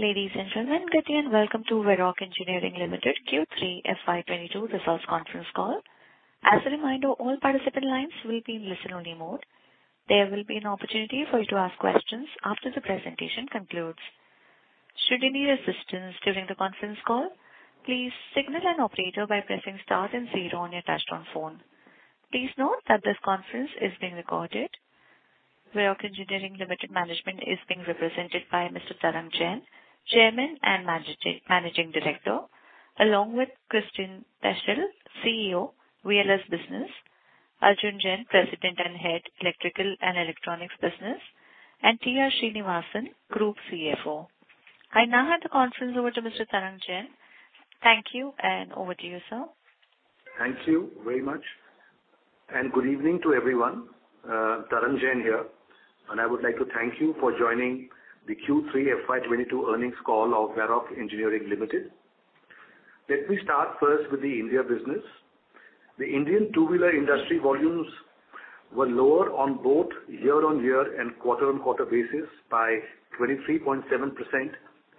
Ladies and gentlemen, good day, and welcome to Varroc Engineering Limited Q3 FY 2022 Results Conference Call. As a reminder, all participant lines will be in listen-only mode. There will be an opportunity for you to ask questions after the presentation concludes. Should you need assistance during the conference call, please signal an operator by pressing star and zero on your touchtone phone. Please note that this conference is being recorded. Varroc Engineering Limited management is being represented by Mr. Tarang Jain, Chairman and Managing Director, along with Christian Päschel, CEO, VLS Business; Arjun Jain, President and Head, Electrical and Electronics Business; and T. R. Srinivasan, Group CFO. I now hand the conference over to Mr. Tarang Jain. Thank you, and over to you, sir. Thank you very much, and good evening to everyone. Tarang Jain here, and I would like to thank you for joining the Q3 FY 2022 earnings call of Varroc Engineering Limited. Let me start first with the India business. The Indian two-wheeler industry volumes were lower on both year-on-year and quarter-on-quarter basis by 23.7%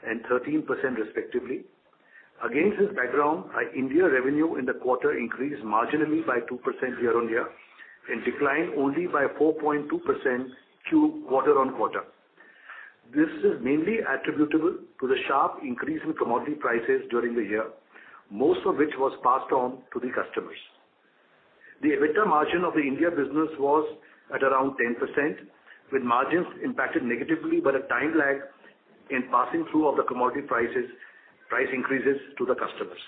and 13% respectively. Against this background, our India revenue in the quarter increased marginally by 2% year-on-year and declined only by 4.2% quarter-on-quarter. This is mainly attributable to the sharp increase in commodity prices during the year, most of which was passed on to the customers. The EBITDA margin of the India business was at around 10%, with margins impacted negatively by the time lag in passing through of the commodity prices, price increases to the customers.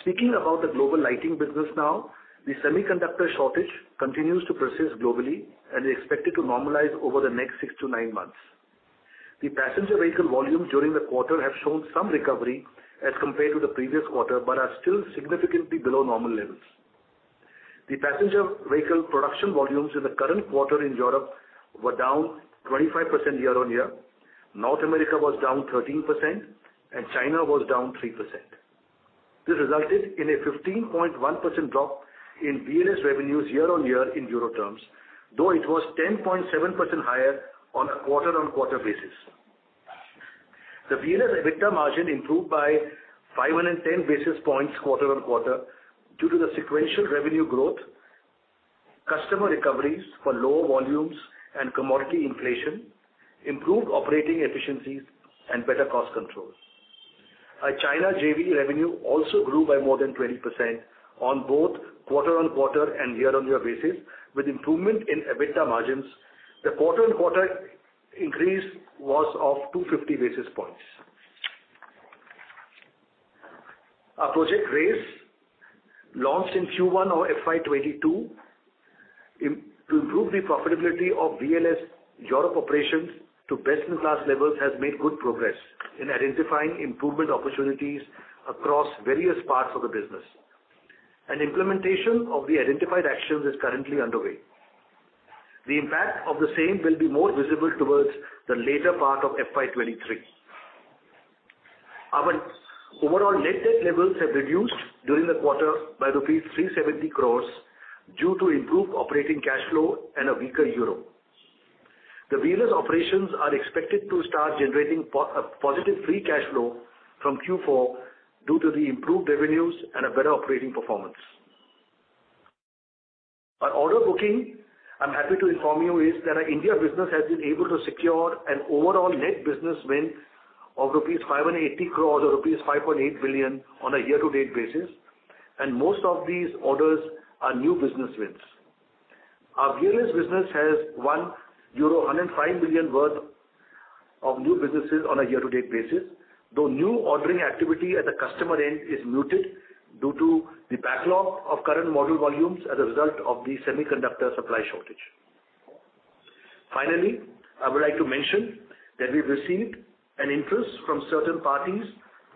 Speaking about the global lighting business now, the semiconductor shortage continues to persist globally and is expected to normalize over the next six to nine months. The passenger vehicle volume during the quarter have shown some recovery as compared to the previous quarter, but are still significantly below normal levels. The passenger vehicle production volumes in the current quarter in Europe were down 25% year-on-year, North America was down 13%, and China was down 3%. This resulted in a 15.1% drop in VLS revenues year-on-year in euro terms, though it was 10.7% higher on a quarter-on-quarter basis. The VLS EBITDA margin improved by 510 basis points quarter-on-quarter due to the sequential revenue growth, customer recoveries for lower volumes and commodity inflation, improved operating efficiencies and better cost controls. Our China JV revenue also grew by more than 20% on both quarter-on-quarter and year-on-year basis, with improvement in EBITDA margins. The quarter-on-quarter increase was of 250 basis points. Our Project Race, launched in Q1 of FY 2022 to improve the profitability of VLS Europe operations to best-in-class levels, has made good progress in identifying improvement opportunities across various parts of the business, and implementation of the identified actions is currently underway. The impact of the same will be more visible towards the later part of FY 2023. Our overall net debt levels have reduced during the quarter by rupees 370 crores due to improved operating cash flow and a weaker euro. The VLS operations are expected to start generating positive free cash flow from Q4 due to the improved revenues and a better operating performance. Our order booking, I'm happy to inform you, is that our India business has been able to secure an overall net business win of rupees 580 crore or rupees 5.8 billion on a year-to-date basis, and most of these orders are new business wins. Our VLS business has won euro 105 million worth of new businesses on a year-to-date basis, though new ordering activity at the customer end is muted due to the backlog of current model volumes as a result of the semiconductor supply shortage. Finally, I would like to mention that we've received an interest from certain parties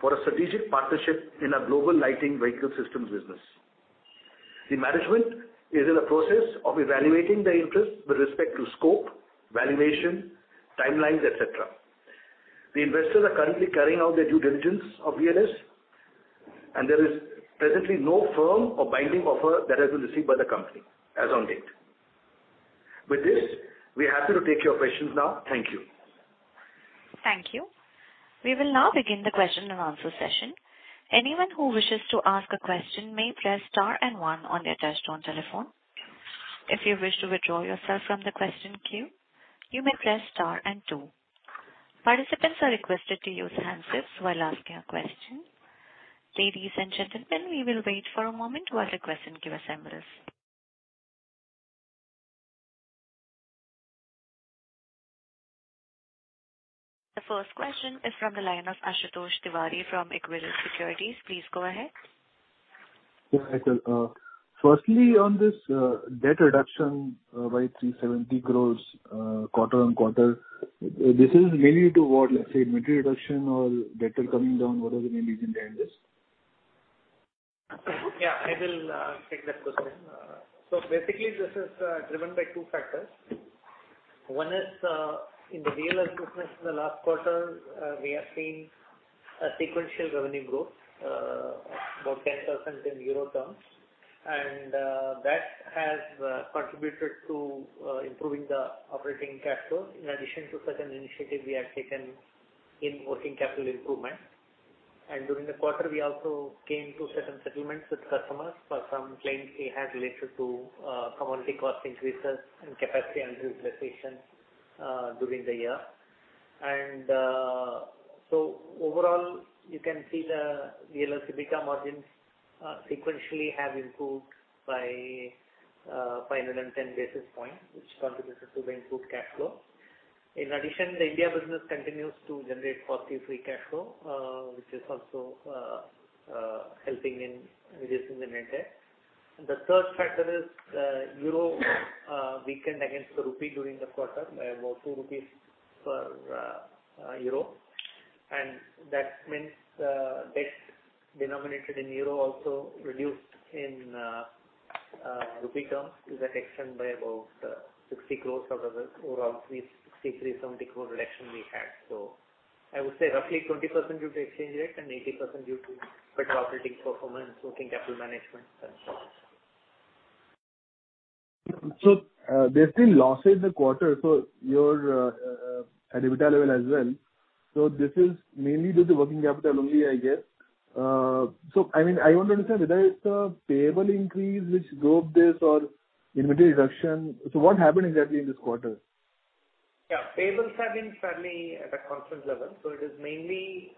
for a strategic partnership in our global lighting vehicle systems business. The management is in the process of evaluating the interest with respect to scope, valuation, timelines, et cetera. The investors are currently carrying out their due diligence of VLS, and there is presently no firm or binding offer that has been received by the company as on date. With this, we are happy to take your questions now. Thank you. Thank you. We will now begin the question and answer session. Anyone who wishes to ask a question may press star and one on their touchtone telephone. If you wish to withdraw yourself from the question queue, you may press star and two. Participants are requested to use handsets while asking a question. Ladies and gentlemen, we will wait for a moment while the question queue assembles. The first question is from the line of Ashutosh Tiwari from Equirus Securities. Please go ahead. Yeah, I said, firstly on this, debt reduction by 370 crore quarter-over-quarter, this is mainly due to what? Let's say material reduction or debt coming down? What are the main reasons behind this? Yeah, I will take that question. Basically, this is driven by two factors. One is in the VLS business in the last quarter, we have seen Sequential revenue growth about 10% in EUR terms. That has contributed to improving the operating cash flow. In addition to certain initiatives we have taken in working capital improvement. During the quarter, we also came to certain settlements with customers for some claims we had related to commodity cost increases and capacity underutilization during the year. Overall, you can see the VLS EBITDA margins sequentially have improved by 510 basis points, which contributes to the improved cash flow. In addition, the India business continues to generate positive free cash flow, which is also helping in reducing the net debt. The third factor is EUR weakened against the rupee during the quarter about two INR per EUR. That means the debt denominated in euro also reduced in rupee terms to the extent by about 60 crore out of the overall 363-70 crore reduction we had. I would say roughly 20% due to exchange rate and 80% due to better operating performance, working capital management There's still losses in the quarter, so your EBITDA level as well. This is mainly due to working capital only, I guess. I mean, I want to understand whether it's a payable increase which drove this or inventory reduction. What happened exactly in this quarter? Yeah. Payables have been fairly at a constant level. It is mainly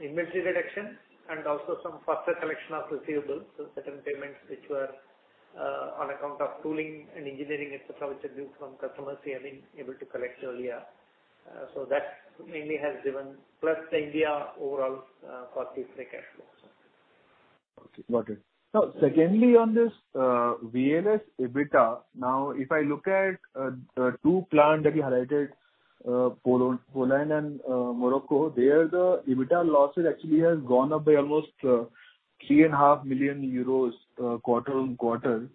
inventory reduction and also some faster collection of receivables. Certain payments which were on account of tooling and engineering, et cetera, which are due from customers we have been able to collect earlier. That mainly has driven plus the India overall positive free cash flow. Okay, got it. Now, secondly, on this, VLS EBITDA, now, if I look at the two plants that you highlighted, Poland and Morocco, there the EBITDA losses actually has gone up by almost 3.5 million euros quarter-on-quarter.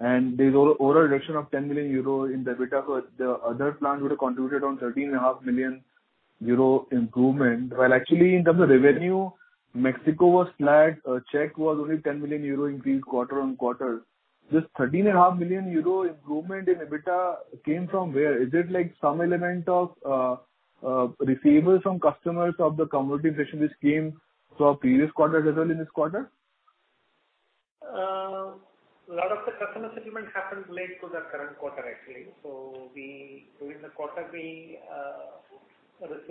There's overall reduction of 10 million euro in the EBITDA. The other plants would have contributed an 13.5 million euro improvement. While actually in terms of revenue, Mexico was flat. Czech was only 10 million euro increase quarter-on-quarter. This 13.5 million euro improvement in EBITDA came from where? Is it like some element of receivables from customers of the commodity business which came to our previous quarter result in this quarter? A lot of the customer settlement happened late to the current quarter actually. We during the quarter received, let's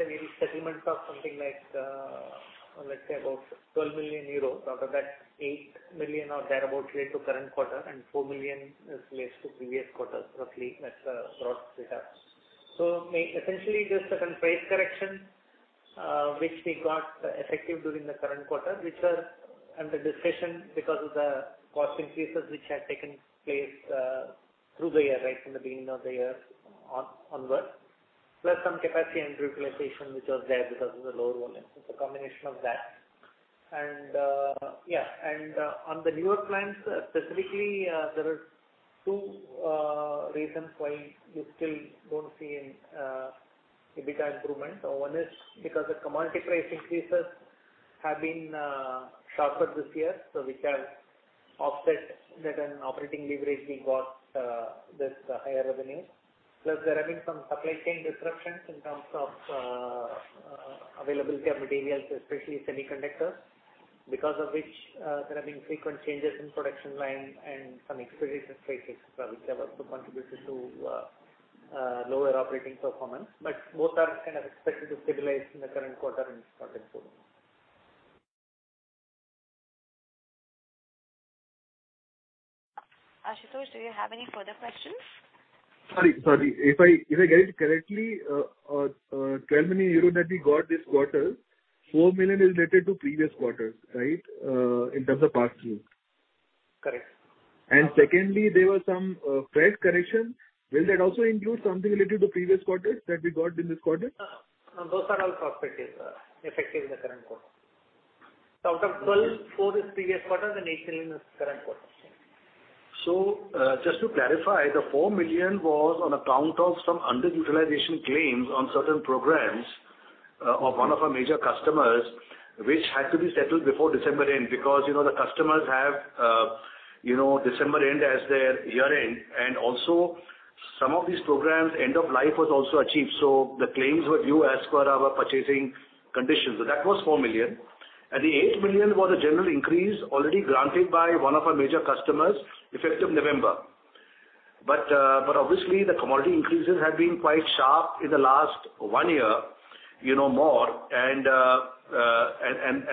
say, maybe settlements of something like, let's say about 12 million euros. Out of that, 8 million or thereabout relate to current quarter and 4 million relates to previous quarter, roughly that's the broad split up. Essentially just certain price correction, which we got effective during the current quarter, which was under discussion because of the cost increases which had taken place, through the year, right from the beginning of the year onwards. Plus some capacity underutilization which was there because of the lower volumes. It's a combination of that. Yeah. On the newer plants specifically, there are two reasons why you still don't see an EBITDA improvement. One is because the commodity price increases have been sharper this year. Which has offset certain operating leverage we got with the higher revenue. Plus there have been some supply chain disruptions in terms of availability of materials, especially semiconductors, because of which there have been frequent changes in production line and some expediting charges, et cetera, which have also contributed to lower operating performance. Both are kind of expected to stabilize in the current quarter and starting forward. Ashutosh, do you have any further questions? Sorry. If I get it correctly, 12 million euro that we got this quarter, 4 million is related to previous quarters, right? In terms of past due. Correct. Secondly, there were some price correction. Will that also include something related to previous quarters that we got in this quarter? No, no. Those are all prospective, effective in the current quarter. Out of 12, four is previous quarter and 8 million is current quarter. Just to clarify, the 4 million was on account of some underutilization claims on certain programs of one of our major customers, which had to be settled before December end. Because, you know, the customers have, you know, December end as their year-end. Also some of these programs end of life was also achieved. The claims were due as per our purchasing conditions. That was 4 million. The 8 million was a general increase already granted by one of our major customers effective November. Obviously the commodity increases have been quite sharp in the last one year, you know, more.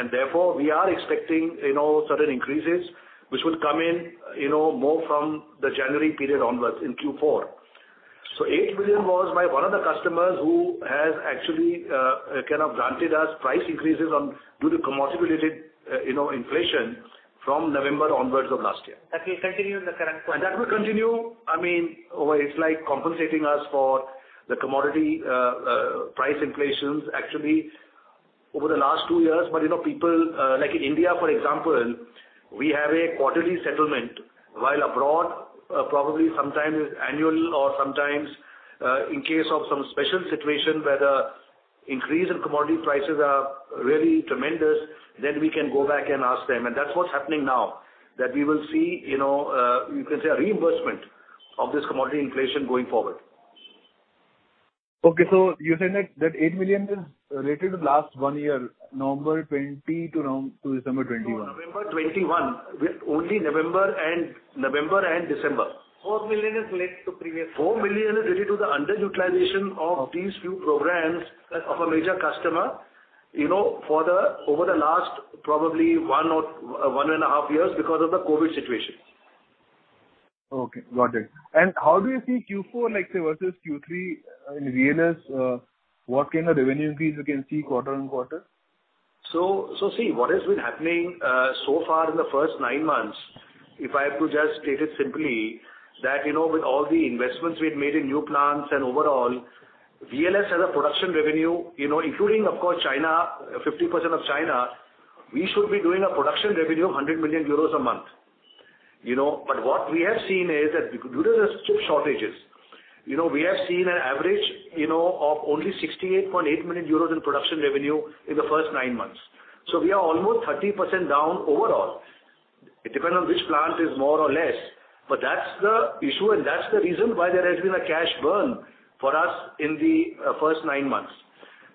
Therefore we are expecting, you know, certain increases which would come in, you know, more from the January period onwards in Q4. 8 million was by one of the customers who has actually kind of granted us price increases due to commodity-related you know inflation from November onward of last year. That will continue in the current quarter. That will continue. I mean, well, it's like compensating us for the commodity price inflations. Actually, over the last two years. You know, people, like in India, for example, we have a quarterly settlement, while abroad, probably sometimes annual or sometimes, in case of some special situation where the increase in commodity prices are really tremendous, then we can go back and ask them. That's what's happening now, that we will see, you know, you can say a reimbursement of this commodity inflation going forward. Okay. You're saying that 8 million is related to the last one year, November 2020 to around December 2021. No, November 21. Only November and December. 4 million is related to previous. 4 million is related to the underutilization of these few programs of a major customer, you know, over the last probably 1 or 1.5 years because of the COVID situation. Okay, got it. How do you see Q4 like, say, versus Q3 in VLS? What kind of revenue increase we can see quarter-on-quarter? See what has been happening so far in the first nine months, if I have to just state it simply, that, you know, with all the investments we had made in new plants and overall, VLS as a production revenue, you know, including of course China, 50% of China, we should be doing a production revenue of 100 million euros a month. You know? But what we have seen is that due to the chip shortages, you know, we have seen an average, you know, of only 68.8 million euros in production revenue in the first nine months. We are almost 30% down overall. It depends on which plant is more or less, but that's the issue and that's the reason why there has been a cash burn for us in the first nine months.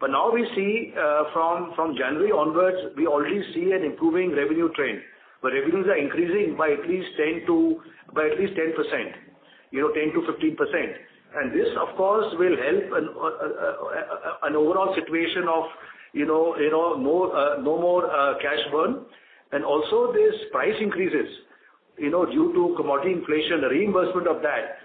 Now we see from January onwards, we already see an improving revenue trend, where revenues are increasing by at least 10%, you know, 10%-15%. This of course will help an overall situation of, you know, no more cash burn. Also these price increases, you know, due to commodity inflation, the reimbursement of that,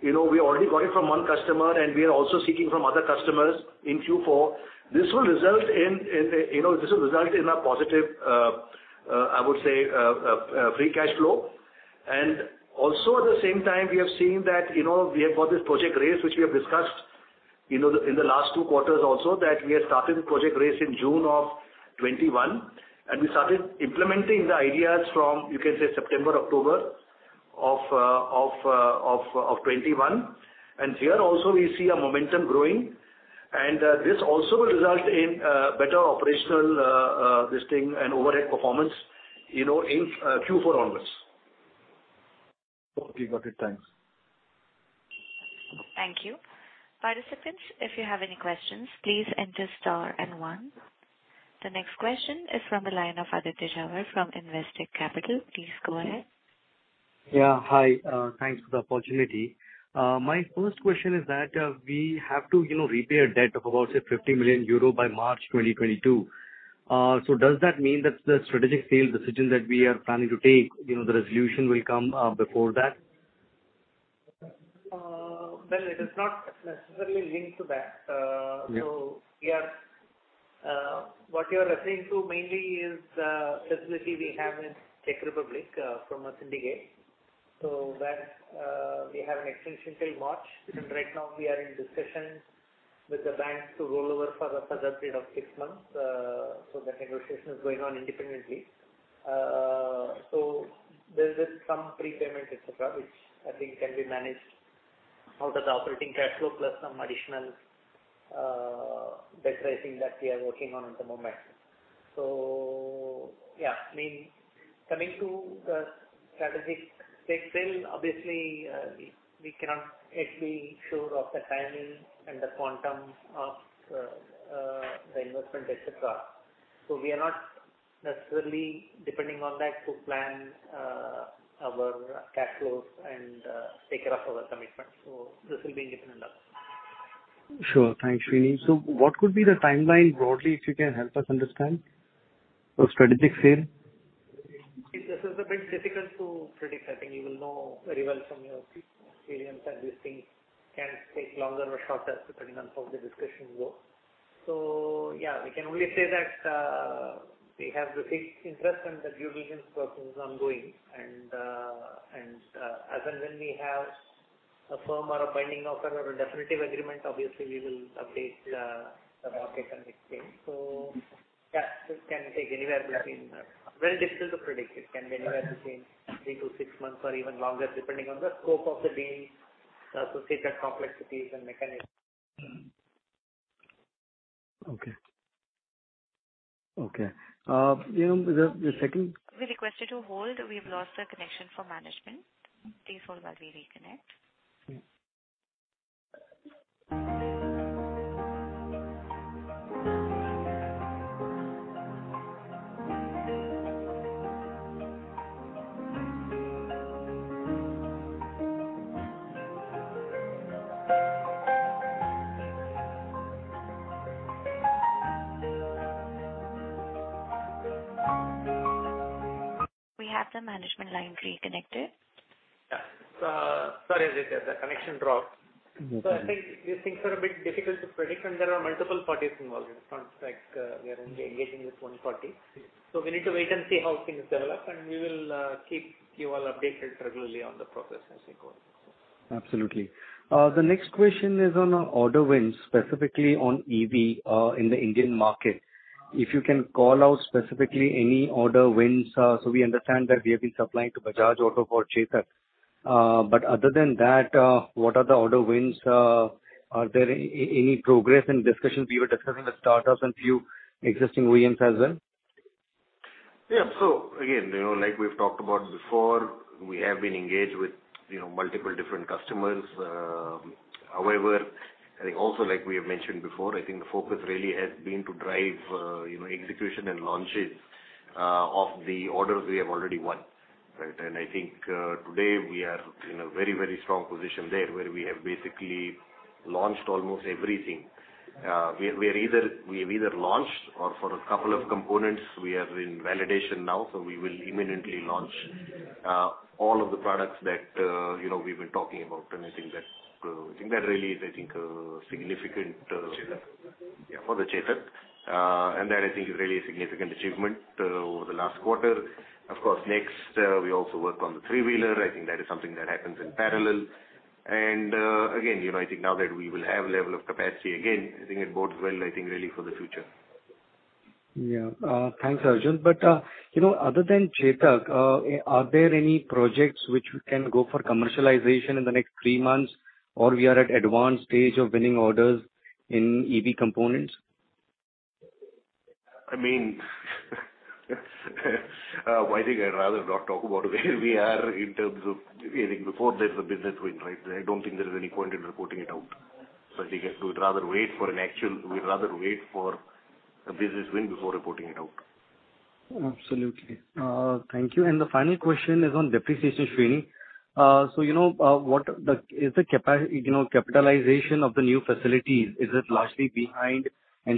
you know, we already got it from one customer and we are also seeking from other customers in Q4. This will result in a positive, I would say, free cash flow. Also at the same time we have seen that, you know, we have got this Project Race, which we have discussed, you know, in the last two quarters also that we have started Project Race in June 2021, and we started implementing the ideas from, you can say, September, October of 2021. Here also we see a momentum growing. This also will result in better operational this thing and overhead performance, you know, in Q4 onwards. Okay, got it. Thanks. Thank you. Participants, if you have any questions, please enter star and one. The next question is from the line of Aditya Jhawar from Investec Capital. Please go ahead. Yeah, hi. Thanks for the opportunity. My first question is that we have to, you know, repay a debt of about, say, 50 million euro by March 2022. Does that mean that the strategic sales decision that we are planning to take, you know, the resolution will come before that? Well, it is not necessarily linked to that. Yeah. What you are referring to mainly is the facility we have in Czech Republic from a syndicate. That we have an extension till March because right now we are in discussions with the banks to roll over for a further period of six months. That negotiation is going on independently. There's some prepayment, et cetera, which I think can be managed out of the operating cash flow plus some additional debt raising that we are working on at the moment. Yeah, I mean, coming to the strategic stake sale, obviously we cannot yet be sure of the timing and the quantum of the investment, et cetera. We are not necessarily depending on that to plan our cash flows and take care of our commitments. This will be independent. Sure. Thanks, Srini. What could be the timeline broadly, if you can help us understand, for strategic sale? This is a bit difficult to predict. I think you will know very well from your experience that these things can take longer or shorter depending on how the discussions go. Yeah, we can only say that we have big interest and the due diligence process is ongoing and as and when we have a firm or a binding offer or a definitive agreement, obviously we will update the market and exchange. Yeah, this can take anywhere between three to six months or even longer, depending on the scope of the deal, the associated complexities and mechanisms. Okay. You know, the second- We request you to hold. We've lost the connection for management. Please hold while we reconnect. Okay. We have the management line reconnected. Yeah. Sorry, Aditya, the connection dropped. Mm-hmm. I think these things are a bit difficult to predict, and there are multiple parties involved. It's not like, we are only engaging with one party. We need to wait and see how things develop, and we will keep you all updated regularly on the process as we go. Absolutely. The next question is on order wins, specifically on EV, in the Indian market. If you can call out specifically any order wins. So we understand that we have been supplying to Bajaj Auto for Chetak. But other than that, what are the order wins? Are there any progress in discussions we were discussing with startups and few existing OEMs as well? Yeah. Again, you know, like we've talked about before, we have been engaged with, you know, multiple different customers. However, I think also like we have mentioned before, I think the focus really has been to drive, you know, execution and launches of the orders we have already won, right? I think today we are in a very, very strong position there where we have basically launched almost everything. We have either launched or for a couple of components we are in validation now, so we will imminently launch all of the products that, you know, we've been talking about. I think that's really significant. Chetak. Yeah, for the Chetak. That I think is really a significant achievement over the last quarter. Of course, next, we also work on the three-wheeler. I think that is something that happens in parallel. Again, you know, I think now that we will have level of capacity again, I think it bodes well, I think, really for the future. Yeah. Thanks, Arjun. You know, other than Chetak, are there any projects which can go for commercialization in the next three months or are we at advanced stage of winning orders in EV components? I mean, well, I think before there's a business win, right? I don't think there is any point in reporting it out. I think we'd rather wait for a business win before reporting it out. Absolutely. Thank you. The final question is on depreciation, Srini. You know, capitalization of the new facilities, is it largely behind?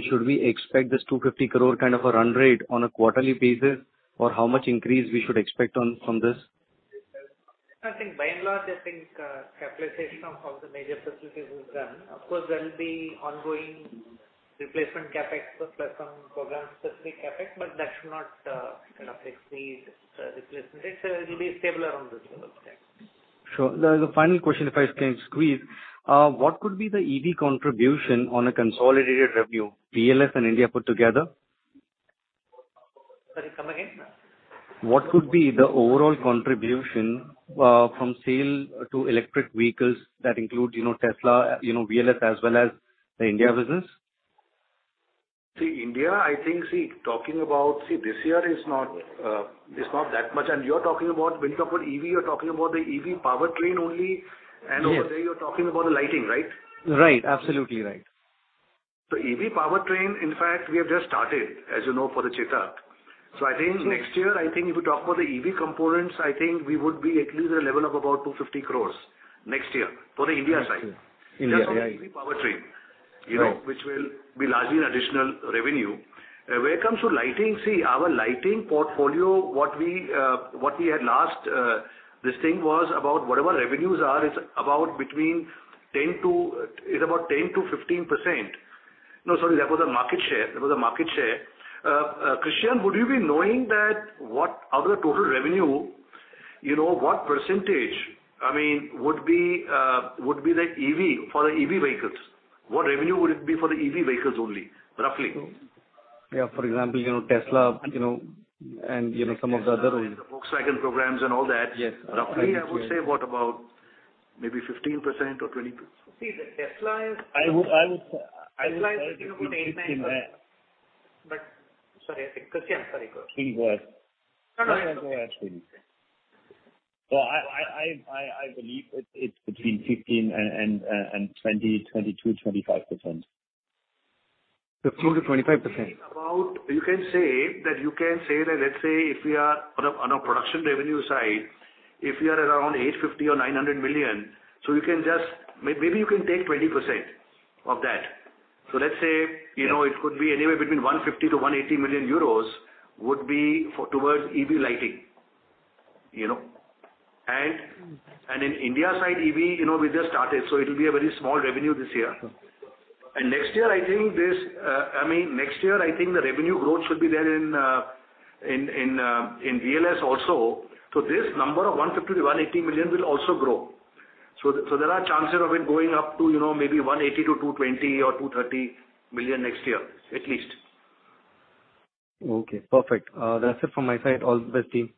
Should we expect this 250 crore kind of a run rate on a quarterly basis? Or how much increase we should expect on this? I think by and large, capitalization of all the major facilities is done. Of course, there will be ongoing replacement CapEx plus some program-specific CapEx, but that should not kind of exceed replacement rates. It'll be stable around this level. Yeah. Sure. The final question, if I can squeeze. What could be the EV contribution on a consolidated revenue, VLS and India put together? Sorry, come again? What could be the overall contribution from sales to electric vehicles that include, you know, Tesla, you know, VLS as well as the India business? In India, I think this year is not that much. You're talking about when you talk about EV, you're talking about the EV powertrain only- Yes. Over there you're talking about the lighting, right? Right. Absolutely right. EV powertrain, in fact, we have just started, as you know, for the Chetak. I think next year, I think if you talk about the EV components, I think we would be at least at a level of about 250 crore next year for the India side. India, yeah. Just on the EV powertrain. Right. You know, which will be largely an additional revenue. When it comes to lighting, see, our lighting portfolio, what we had last, this thing was about between 10 to 15%. No, sorry, that was a market share. Christian, would you be knowing what, out of the total revenue, you know, what percentage, I mean, would be the EV for the EV vehicles? What revenue would it be for the EV vehicles only, roughly? Yeah. For example, you know, Tesla, you know, and you know, some of the other. The Volkswagen programs and all that. Yes. Roughly, I would say what about maybe 15% or 20%. See the Tesla is- I would say. Tesla is talking about eight, nine. Sorry, I think Christian, sorry, go. Please go ahead. No, go ahead, Srini. I believe it's between 15% and 20%-25%. 15%-25%. You can say that, let's say if we are on a production revenue side, if we are around 850 million or 900 million, so you can maybe take 20% of that. Let's say, you know, it could be anywhere between 150 million-180 million euros would be towards EV lighting, you know? And in India side EV, you know, we just started, so it'll be a very small revenue this year. Next year, I think, I mean, next year I think the revenue growth should be there in VLS also. This number of 150 million-180 million will also grow. There are chances of it going up to, you know, maybe 180-220 or 230 million next year, at least. Okay, perfect. That's it from my side. All the best, team.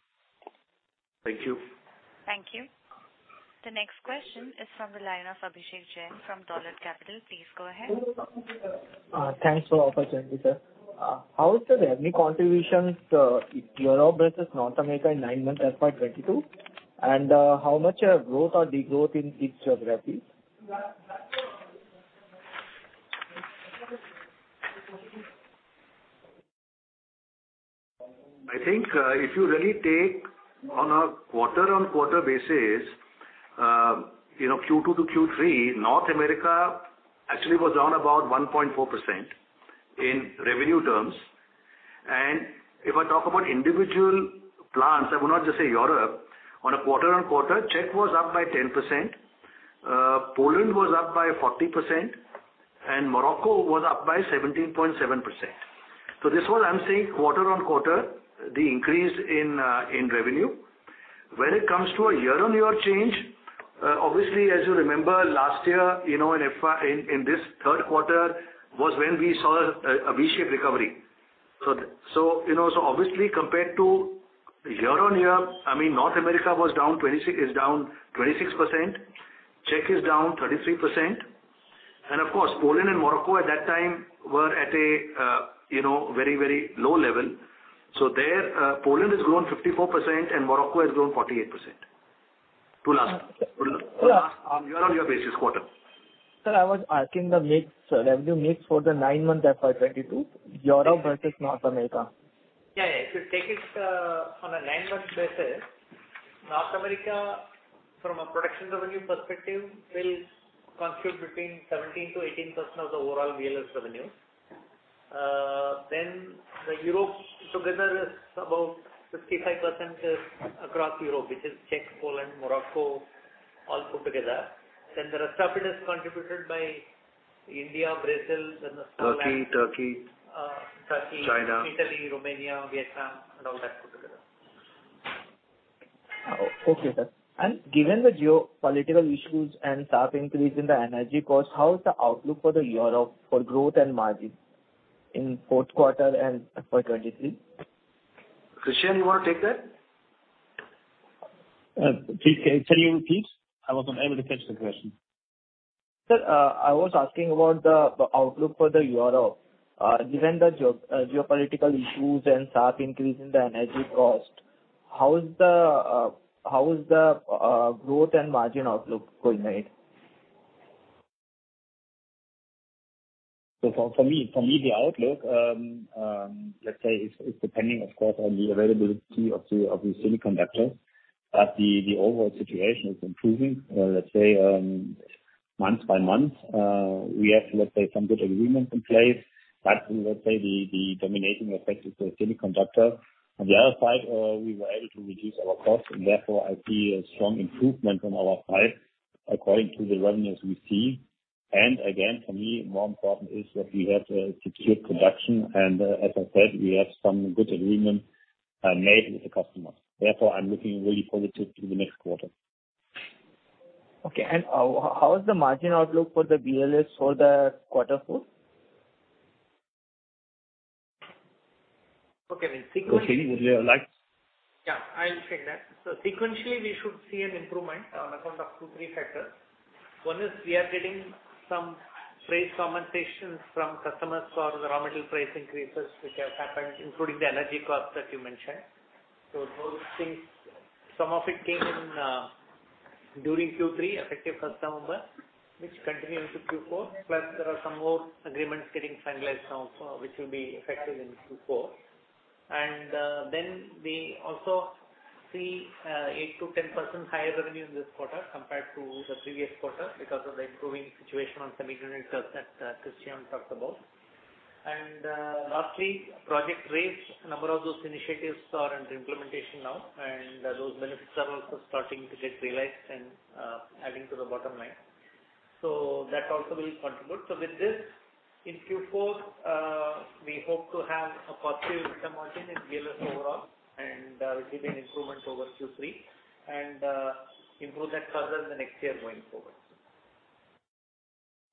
Thank you. Thank you. The next question is from the line of Abhishek Jain from Dolat Capital. Please go ahead. Thanks for the opportunity, sir. How is the revenue contributions, Europe versus North America in nine months, FY 2022? How much growth or degrowth in each geography? I think, if you really take on a quarter-on-quarter basis, you know, Q2 to Q3, North America actually was down about 1.4% in revenue terms. If I talk about individual plants, I would not just say Europe. On a quarter-on-quarter, Czech was up by 10%, Poland was up by 40%, and Morocco was up by 17.7%. This one I'm saying quarter-on-quarter, the increase in revenue. When it comes to a year-on-year change, obviously, as you remember last year, you know, in this third quarter was when we saw a V-shaped recovery. You know, obviously compared to year-on-year, I mean, North America is down 26%. Czech is down 33%. Of course, Poland and Morocco at that time were at a, you know, very, very low level. There, Poland has grown 54% and Morocco has grown 48%. To last on year-on-year basis quarter. Sir, I was asking the mix, revenue mix for the nine months FY 2022, Europe versus North America. Yeah, yeah. If you take it on a nine-month basis, North America from a production revenue perspective will contribute between 17%-18% of the overall VLS revenue. Europe together is about 55% across Europe, which is Czech, Poland, Morocco, all put together. The rest of it is contributed by India, Brazil, then the- Turkey. Turkey. China. Italy, Romania, Vietnam, and all that put together. Oh, okay, sir. Given the geopolitical issues and sharp increase in the energy cost, how is the outlook for Europe for growth and margin in fourth quarter and FY 2023? Christian, you wanna take that? Please say it again, please. I was unable to catch the question. Sir, I was asking about the outlook for Europe. Given the geopolitical issues and sharp increase in the energy cost, how is the growth and margin outlook for VLS? For me the outlook, let's say it's depending of course on the availability of the semiconductor. The overall situation is improving, let's say month by month. We have let's say some good agreements in place. Let's say the dominating effect is the semiconductor. On the other side, we were able to reduce our costs and therefore I see a strong improvement on our side according to the revenues we see. Again, for me, more important is that we have secured production and as I said, we have some good agreement made with the customers. Therefore, I'm looking really positive to the next quarter. Okay. How is the margin outlook for the VLS for the quarter four? Okay. Okay. Would you like? Yeah. I'll take that. Sequentially we should see an improvement on account of 2-3 factors. One is we are getting some price compensations from customers for the raw material price increases which have happened, including the energy cost that you mentioned. Those things, some of it came in during Q3 effective first November, which continue into Q4, plus there are some more agreements getting finalized now which will be effective in Q4. Then we also see 8%-10% higher revenue in this quarter compared to the previous quarter because of the improving situation on semiconductors that Christian talked about. Lastly, Project Race, a number of those initiatives are under implementation now, and those benefits are also starting to get realized and adding to the bottom line. That also will contribute. With this, in Q4, we hope to have a positive EBITDA margin in VLS overall and we see an improvement over Q3 and improve that further in the next year going forward.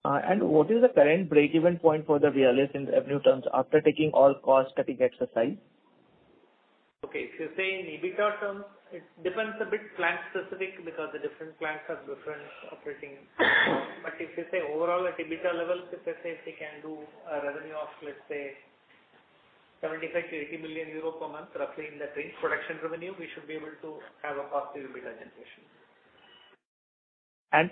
What is the current break-even point for the VLS in revenue terms after taking all cost cutting exercise? Okay. If you say in EBITDA terms, it depends a bit plant specific because the different plants have different operating costs. If you say overall at EBITDA level, if I say if we can do a revenue of, let's say 75 million-80 million euro per month, roughly in that range, production revenue, we should be able to have a positive EBITDA generation.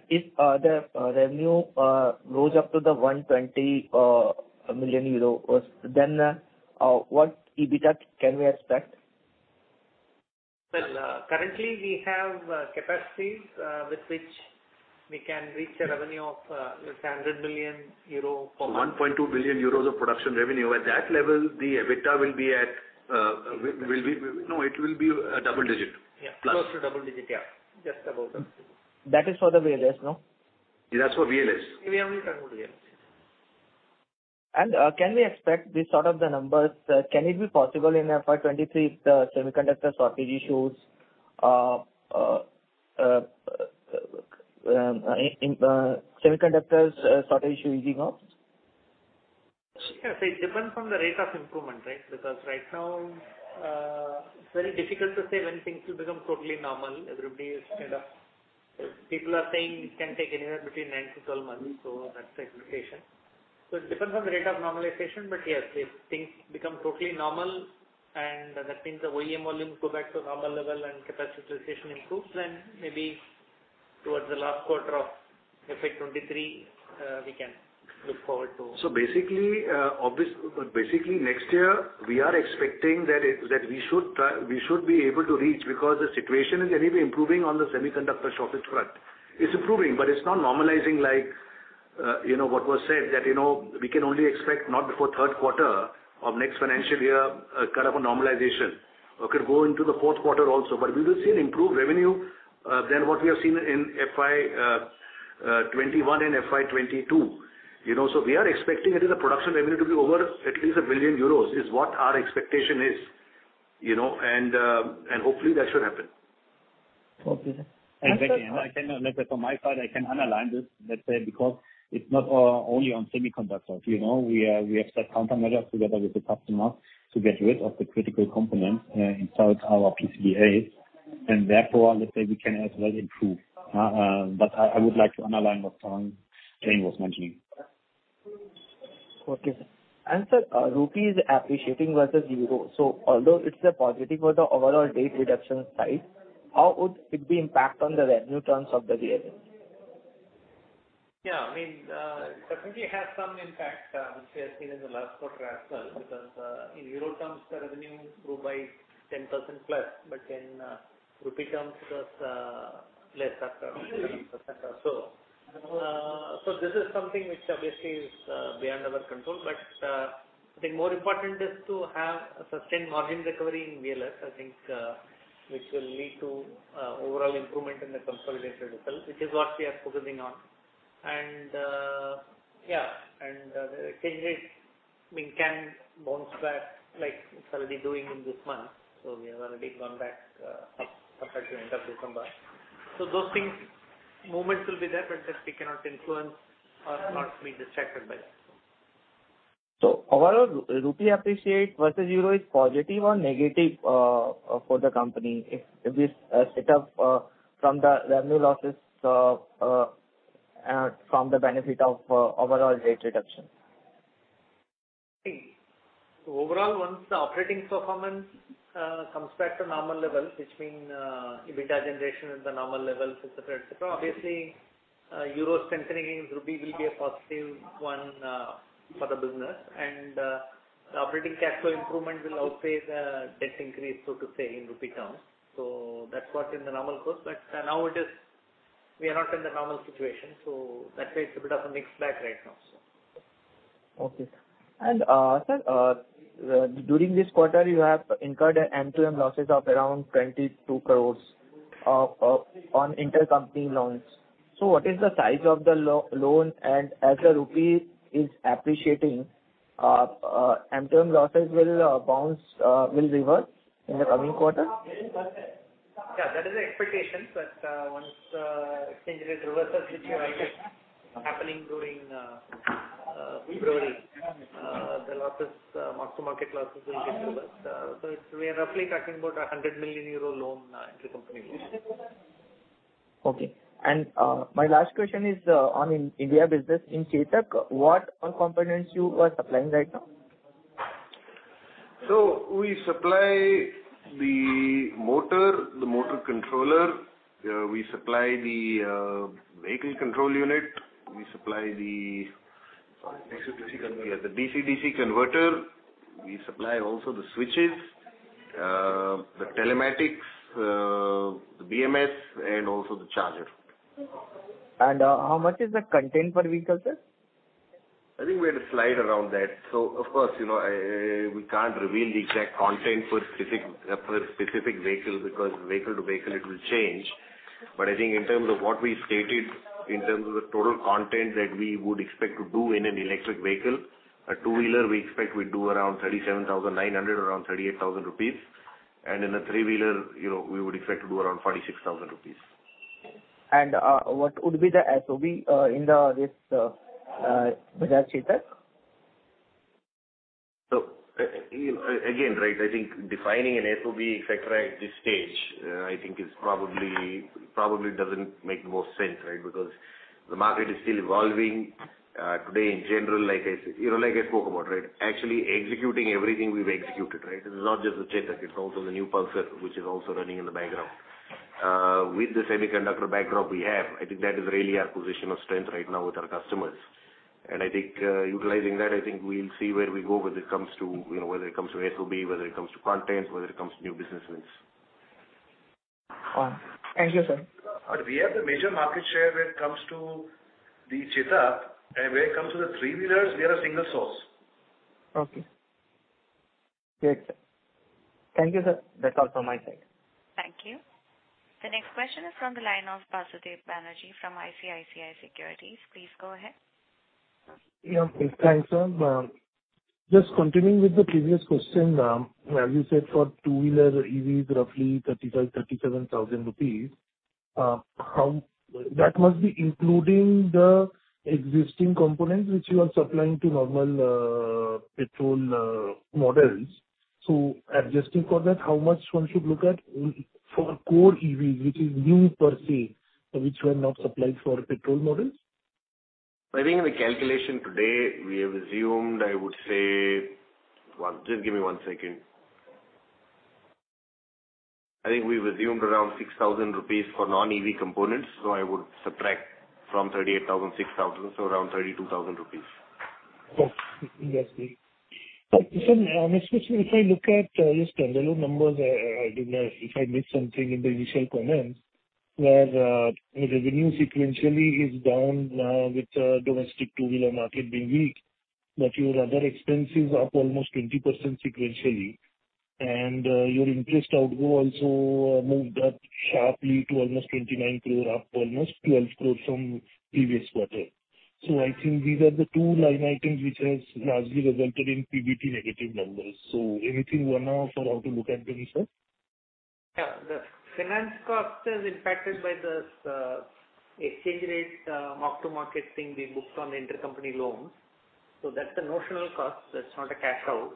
If the revenue goes up to the 120 million euro first, then what EBITDA can we expect? Well, currently we have capacities with which we can reach a revenue of 100 million euro per month. 1.2 billion euros of production revenue. At that level the EBITDA will be a double digit. Yeah. Plus. Close to double-digit, yeah. Just about that. That is for the VLS, no? That's for VLS. We only talk about VLS. Can we expect this sort of the numbers? Can it be possible in FY 2023 if the semiconductor shortage issue easing up? Yes. It depends on the rate of improvement, right? Because right now, it's very difficult to say when things will become totally normal. Everybody is kind of, people are saying it can take anywhere between nine to 12 months, so that's the expectation. It depends on the rate of normalization, but yes, if things become totally normal and that means the OEM volumes go back to normal level and capitalization improves, then maybe towards the last quarter of FY 2023, we can look forward to- Basically next year we are expecting that that we should try, we should be able to reach, because the situation is anyway improving on the semiconductor shortage front. It's improving, but it's not normalizing like, you know, what was said that, you know, we can only expect not before third quarter of next financial year, kind of a normalization. Could go into the fourth quarter also, but we will see an improved revenue than what we have seen in FY 2021 and FY 2022. You know, so we are expecting it is a production revenue to be over at least 1 billion euros, is what our expectation is, you know, and hopefully that should happen. Okay, sir. Actually, from my side, I can underline this, let's say because it's not only on semiconductors. You know, we have set countermeasures together with the customer to get rid of the critical components inside our PCBA. Therefore, let's say we can as well improve. But I would like to underline what Tarang was mentioning. Okay, sir. Sir, rupee is appreciating versus euro. Although it's a positive for the overall debt reduction side, how would it impact on the revenue terms of the VLS? Yeah, I mean, definitely it has some impact, which we have seen in the last quarter as well, because in EUR terms, the revenue grew by 10% plus, but in INR terms it was less at 7% or so. This is something which obviously is beyond our control. I think more important is to have a sustained margin recovery in VLS, which will lead to overall improvement in the consolidated result, which is what we are focusing on. Yeah, and the exchange rate may bounce back like it's already doing in this month. We have already gone back up after the end of December. Those things, movements will be there, but that we cannot influence or not to be distracted by that. Overall, rupee appreciation versus euro is positive or negative for the company if this set up from the revenue losses from the benefit of overall rate reduction? Overall, once the operating performance comes back to normal levels, which mean EBITDA generation at the normal levels, et cetera, et cetera, obviously, euro strengthening rupee will be a positive one for the business. The operating cash flow improvement will outweigh the debt increase, so to say, in rupee terms. That's what in the normal course. Now it is. We are not in the normal situation, so that's why it's a bit of a mixed bag right now. Sir, during this quarter, you have incurred MTM losses of around 22 crore on intercompany loans. What is the size of the loan? As the rupee is appreciating, MTM losses will reverse in the coming quarter? Yeah, that is the expectation. Once exchange rate reversals which are imminent, happening during February, the losses, mark-to-market losses will get reversed. We are roughly talking about 100 million euro intercompany loan. Okay. My last question is on in India business. In Chetak, what all components you are supplying right now? We supply the motor, the motor controller. We supply the vehicle control unit. We supply the- DC-DC converter. Yeah, the DC-DC converter. We supply also the switches, the telematics, the BMS and also the charger. How much is the content per vehicle, sir? I think we had a slide around that. Of course, you know, we can't reveal the exact content for specific vehicle because vehicle to vehicle it will change. I think in terms of what we stated in terms of the total content that we would expect to do in an electric vehicle, a two-wheeler we expect we do around 37,900, around 38,000 rupees. In a three-wheeler, you know, we would expect to do around 46,000 rupees. What would be the SOV in this Bajaj Chetak? Again, right, I think defining an SOV factor at this stage, I think is probably doesn't make the most sense, right? Because the market is still evolving. Today in general, like I said, you know, like I spoke about, right? Actually executing everything we've executed, right? This is not just the Chetak, it's also the new Pulsar which is also running in the background. With the semiconductor backdrop we have, I think that is really our position of strength right now with our customers. I think, utilizing that, I think we'll see where we go, whether it comes to, you know, whether it comes to SOV, whether it comes to content, whether it comes to new business wins. All right. Thank you, sir. We have the major market share when it comes to the Chetak, and when it comes to the three-wheelers, we are a single source. Okay. Great. Thank you, sir. That's all from my side. Thank you. The next question is from the line of Basudeb Banerjee from ICICI Securities. Please go ahead. Yeah. Okay. Thanks, ma'am. Just continuing with the previous question, where you said for two-wheeler EVs, roughly 35,000-37,000 rupees. That must be including the existing components which you are supplying to normal petrol models. Adjusting for that, how much one should look at for core EV, which is new per se, which were not supplied for petrol models? I think in the calculation today, we have assumed. I would say. I think we've assumed around 6,000 rupees for non-EV components. I would subtract from 38,000 rupees, 6,000 rupees, so around 32,000 rupees. Okay. Understood. Sir, especially if I look at just standalone numbers, you know, if I missed something in the initial comments, where revenue sequentially is down with domestic two-wheeler market being weak. Your other expenses up almost 20% sequentially, and your interest outflow also moved up sharply to almost 29 crore, up almost 12 crore from previous quarter. I think these are the two line items which has largely resulted in PBT negative numbers. Anything one-off or how to look at them, sir? Yeah. The finance cost is impacted by the FX exchange rate, mark-to-market thing we booked on intercompany loans. That's a notional cost, that's not a cash out.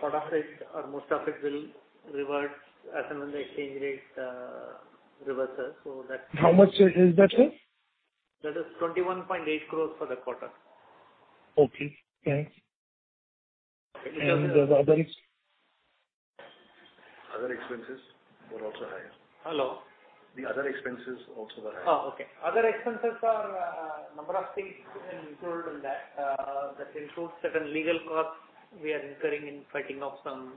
Part of it or most of it will revert as and when the exchange rate reverses. That- How much is that, sir? That is 21.8 crores for the quarter. Okay, thanks. Other expenses were also higher. Hello. The other expenses also were higher. Oh, okay. Other expenses are number of things included in that. That includes certain legal costs we are incurring in fighting off some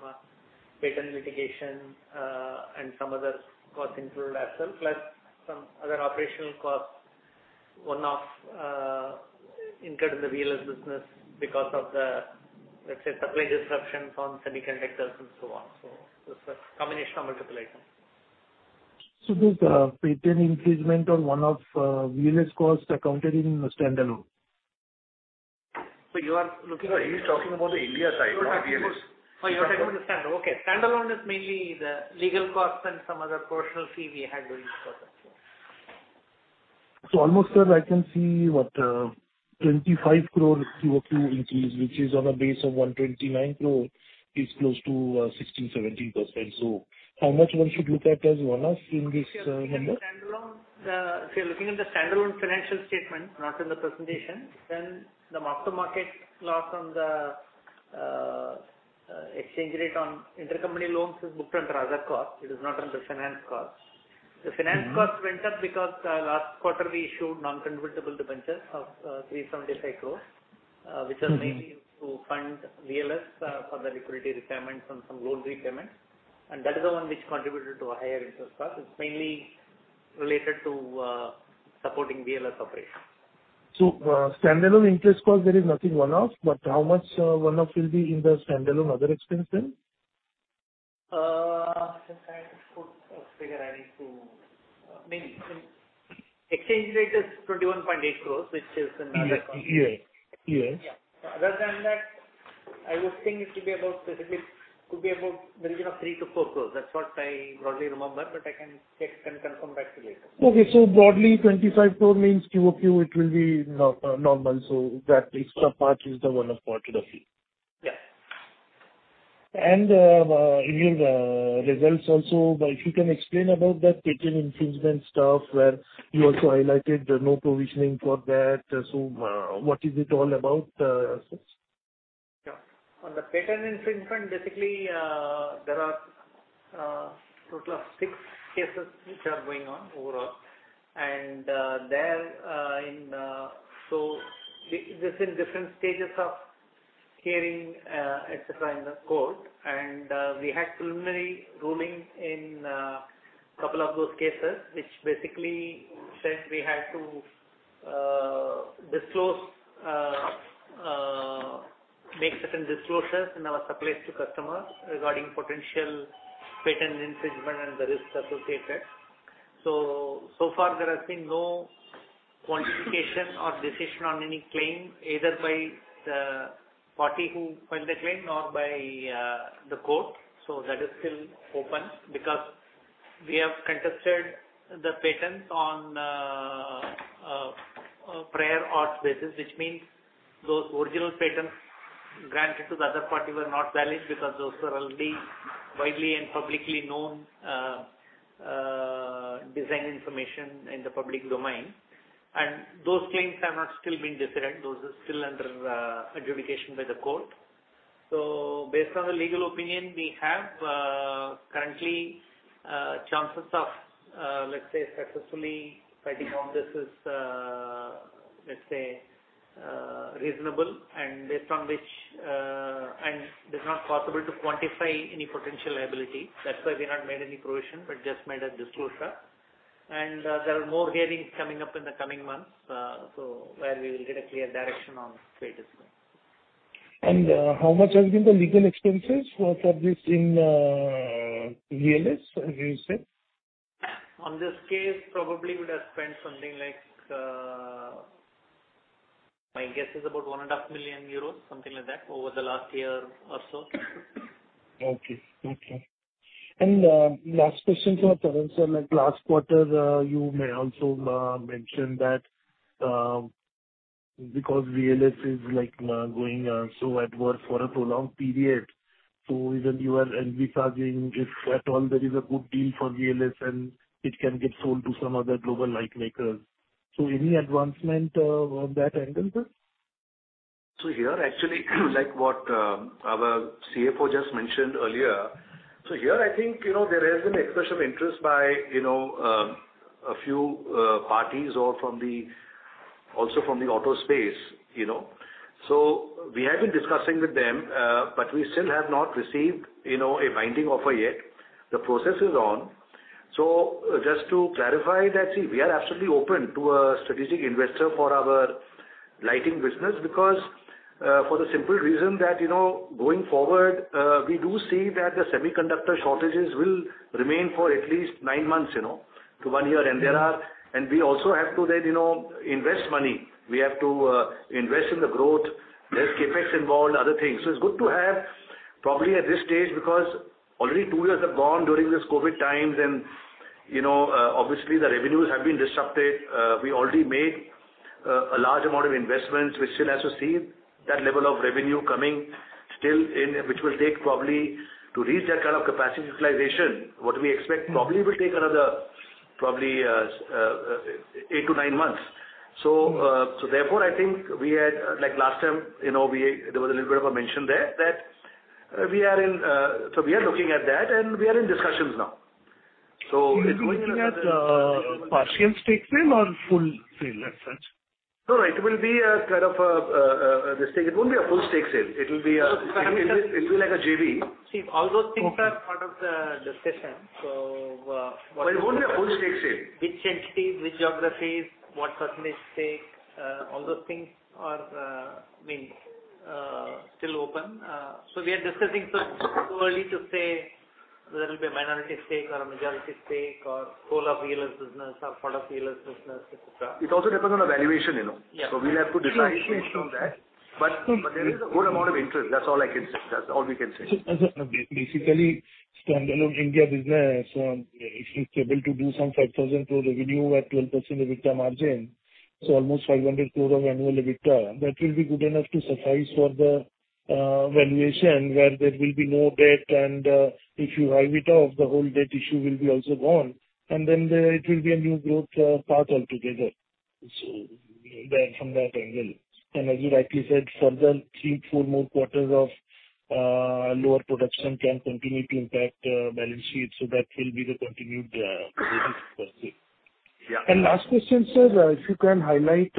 patent litigation, and some other costs included as well, plus some other operational costs, one-off, incurred in the VLS business because of the, let's say, supply disruptions on semiconductors and so on. It's a combination of multiple items. This patent infringement or one-off VLS costs are accounted in standalone. You are looking at- He's talking about the India side, not VLS. Oh, you are talking about the standalone. Okay. Standalone is mainly the legal costs and some other professional fee we had during the quarter. Yeah. Almost, sir, I can see about 25 crore QOQ increase, which is on a base of 129 crore, is close to 16%-17%. How much one should look at as one-off in this number? Standalone, if you're looking at the standalone financial statement, not in the presentation, then the mark-to-market loss on the exchange rate on intercompany loans is booked under other costs. It is not under finance costs. Mm-hmm. The finance costs went up because last quarter we issued non-convertible debentures of 375 crore. Mm-hmm Which was mainly to fund VLS for their liquidity requirements and some loan repayments. That is the one which contributed to a higher interest cost. It's mainly related to supporting VLS operations. Standalone interest cost, there is nothing one-off, but how much one-off will be in the standalone other expense then? Since I have to put a figure, I need to. Maybe. Exchange rate is 21.8 crore, which is another- Yes. Yes. Yeah. Other than that, I would think it could be about specifics, could be about the range of 3 crore-4 crore. That's what I broadly remember, but I can check and confirm back to you later. Okay. Broadly, 25 crore means QOQ it will be normal. That extra part is the one-off part of the fee. Yeah. In your results also, if you can explain about that patent infringement stuff where you also highlighted no provisioning for that, what is it all about, sir? Yeah. On the patent infringement, basically, there are total of six cases which are going on overall. They're in different stages of hearing, et cetera, in the court. We had preliminary ruling in couple of those cases, which basically said we had to make certain disclosures in our supplies to customers regarding potential patent infringement and the risks associated. So far there has been no quantification or decision on any claim, either by the party who filed the claim or by the court. That is still open because we have contested the patents on prior art basis, which means those original patents granted to the other party were not valid because those were already widely and publicly known design information in the public domain. Those claims have not still been decided. Those are still under adjudication by the court. Based on the legal opinion we have, currently, chances of, let's say successfully fighting off this is, let's say, reasonable and based on which, it's not possible to quantify any potential liability. That's why we not made any provision but just made a disclosure. There are more hearings coming up in the coming months, so where we will get a clear direction on trade as well. How much has been the legal expenses for this in VLS, as you said? In this case, probably we'd have spent something like, my guess is about 1.5 million euros, something like that, over the last year or so. Okay. Last question for Tarang sir. Like last quarter, you may also mention that, because VLS is like going so adverse for a prolonged period, so even you are envisaging if at all there is a good deal for VLS and it can get sold to some other global lighting makers. Any advancement on that angle, sir? Here actually, like what our CFO just mentioned earlier. Here I think, you know, there has been expression of interest by, you know, a few parties or from the, also from the auto space, you know. We have been discussing with them, but we still have not received, you know, a binding offer yet. The process is on. Just to clarify that, see, we are absolutely open to a strategic investor for our lighting business because, for the simple reason that, you know, going forward, we do see that the semiconductor shortages will remain for at least nine months, you know, to one year. We also have to then, you know, invest money. We have to invest in the growth. There's CapEx involved, other things. It's good to have probably at this stage, because already two years have gone during this COVID times and, you know, obviously the revenues have been disrupted. We already made a large amount of investments which still has to see that level of revenue coming still in, which will take probably to reach that kind of capacity utilization, what we expect probably will take another eight to nine months. Therefore, I think we had, like last time, you know, there was a little bit of a mention there that we are in, so we are looking at that and we are in discussions now. It's going to be You're looking at partial stake sale or full sale as such? No, it will be a kind of this thing. It won't be a full stake sale. It will be like a JV. See, all those things are part of the discussion. It won't be a full stake sale. Which entity, which geographies, what percentage stake, all those things are, I mean, still open. We are discussing. It's too early to say whether it'll be a minority stake or a majority stake or whole of VLS business or part of VLS business, et cetera. It also depends on the valuation, you know. Yeah. We'll have to decide based on that. There is a good amount of interest. That's all I can say. That's all we can say. Basically standalone India business, if it's able to do some 5,000 crore revenue at 12% EBITDA margin, almost 500 crore of annual EBITDA, that will be good enough to suffice for the valuation where there will be no debt and if you hive off, the whole debt issue will also be gone. It will be a new growth part altogether. That, from that angle. As you rightly said, further three to four more quarters of lower production can continue to impact balance sheet. That will be the continued risk for us here. Yeah. Last question, sir. If you can highlight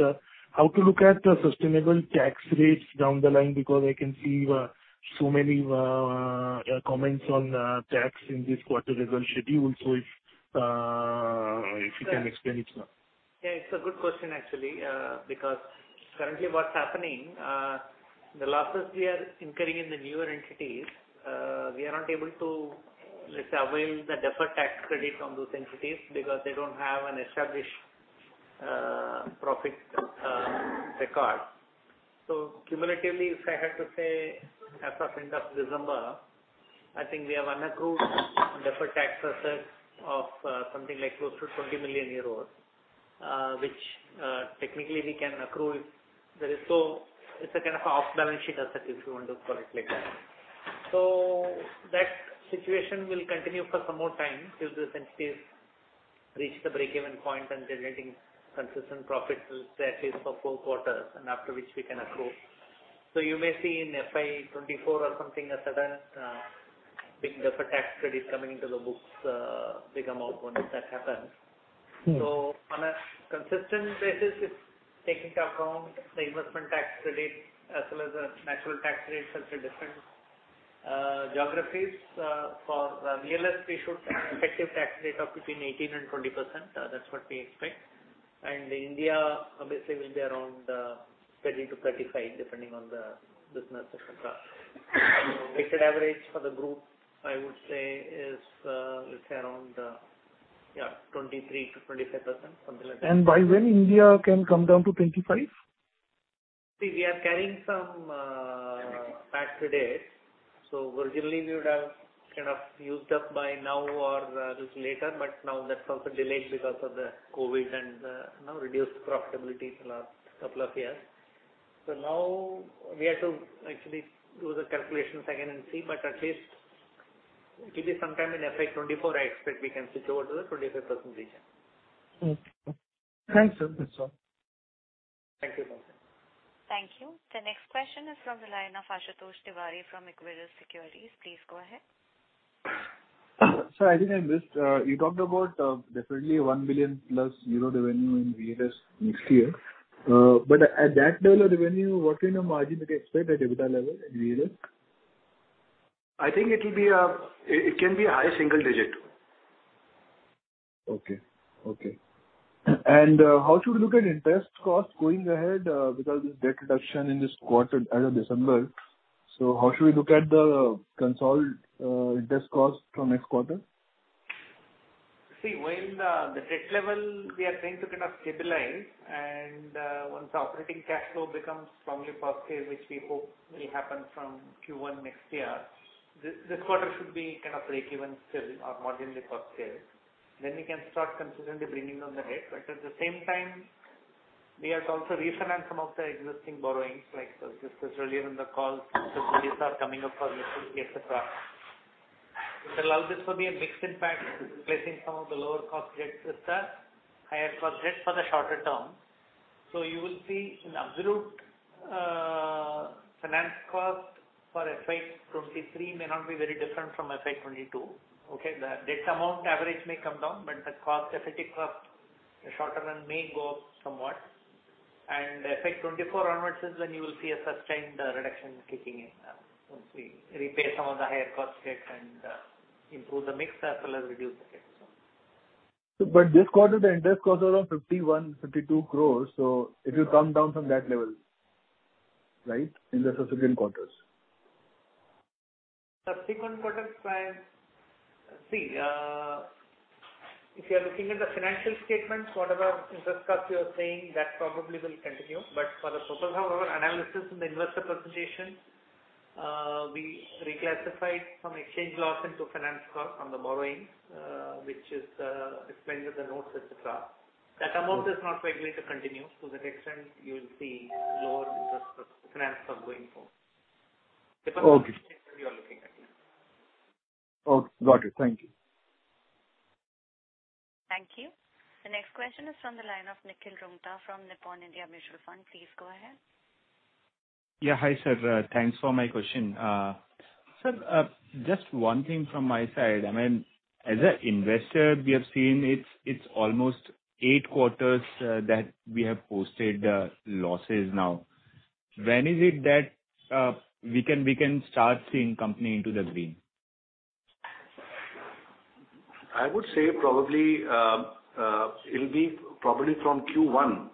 how to look at the sustainable tax rates down the line, because I can see so many comments on tax in this quarter result schedule. If you can explain it now. Yeah, it's a good question actually. Because currently what's happening, the losses we are incurring in the newer entities, we are not able to, let's say, avail the deferred tax credit from those entities because they don't have an established profit record. Cumulatively, if I had to say as of end of December, I think we have unaccrued deferred tax assets of something like close to 20 million euros, which technically we can accrue if there is. It's a kind of off-balance sheet asset, if you want to call it like that. That situation will continue for some more time till those entities reach the break-even point and they're getting consistent profits, let's say at least for four quarters, and after which we can accrue. You may see in FY 2024 or something, a sudden, big deferred tax credit coming into the books, bigger amount once that happens. Mm-hmm. On a consistent basis, if taking into account the investment tax credit as well as the statutory tax rates at the different geographies, for VLS, we should have effective tax rate of between 18%-20%. That's what we expect. India obviously will be around 30%-35%, depending on the business, et cetera. Weighted average for the group, I would say is, let's say around 23%-25%, something like that. By when India can come down to 25? See, we are carrying some tax credits. Originally we would have kind of used up by now or a little later, but now that's also delayed because of the COVID and, you know, reduced profitability for last couple of years. Now we have to actually do the calculations again and see, but at least it'll be sometime in FY 2024. I expect we can switch over to the 25% region. Okay. Thanks, sir. That's all. Thank you. Thank you. Thank you. The next question is from the line of Ashutosh Tiwari from Equirus Securities. Please go ahead. Sir, I think I missed, you talked about, definitely 1 billion euro+ revenue in VLS next year. At that level of revenue, what kind of margin we can expect at EBITDA level in VLS? I think it can be a high single digit. Okay. How should we look at interest costs going ahead, because this debt reduction in this quarter as of December? How should we look at the consolidated interest cost from next quarter? See, while the debt level we are trying to kind of stabilize and, once operating cash flow becomes strongly positive, which we hope will happen from Q1 next year, this quarter should be kind of break-even still or marginally positive. We can start consistently bringing down the debt. At the same time, we have to also refinance some of the existing borrowings, like discussed earlier in the call. These are coming up for renewal, et cetera. In all this will be a mixed impact, replacing some of the lower cost debts with the higher cost debts for the shorter term. You will see in absolute, finance cost for FY 2023 may not be very different from FY 2022. Okay? The average debt amount may come down, but the cost, effective cost, the short run may go up somewhat. FY 2024 onwards is when you will see a sustained reduction kicking in, once we repay some of the higher cost debt and improve the mix as well as reduce the debt. This quarter the interest cost was around 51-52 crores. It will come down from that level, right, in the subsequent quarters? See, if you are looking at the financial statements, whatever interest cost you are saying, that probably will continue. For the purpose of our analysis in the investor presentation, we reclassified some exchange loss into finance cost on the borrowings, which is explained with the notes, et cetera. That amount is not likely to continue. To that extent, you will see lower interest or finance cost going forward. Okay. Depending on the statement you are looking at. Got it. Thank you. Thank you. The next question is from the line of Nikhil Rungta from Nippon India Mutual Fund. Please go ahead. Yeah, hi, sir. Thanks for my question. Sir, just one thing from my side. I mean, as a investor, we have seen it's almost eight quarters that we have posted losses now. When is it that we can start seeing company into the green? I would say probably it'll be probably from Q1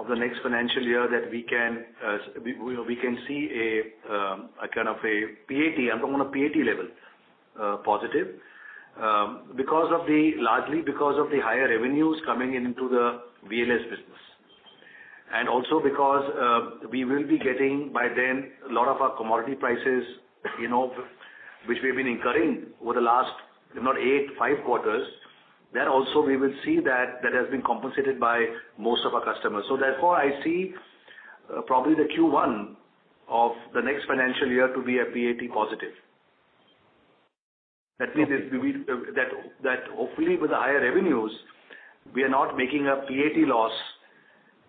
of the next financial year that we can see a kind of a PAT positive, I'm talking on a PAT level, largely because of the higher revenues coming into the VLS business. Also because we will be getting by then a lot of our commodity prices, you know, which we have been incurring over the last five quarters, if not eight. There also we will see that has been compensated by most of our customers. Therefore, I see probably the Q1 of the next financial year to be a PAT positive. That means hopefully with the higher revenues, we are not making a PAT loss,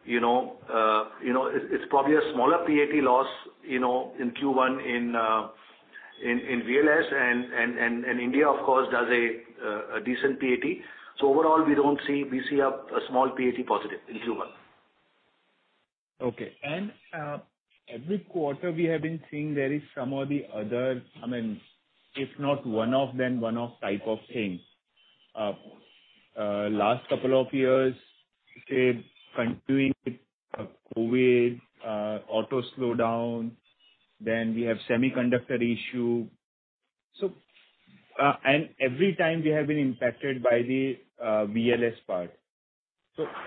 you know. You know, it's probably a smaller PAT loss, you know, in Q1 in VLS and India of course does a decent PAT. Overall, we see a small PAT positive in Q1. Okay. Every quarter we have been seeing there is some or the other, I mean, if not one-off, then one-off type of thing. Last couple of years, you said continuing with COVID, auto slowdown, then we have semiconductor issue. Every time we have been impacted by the VLS part.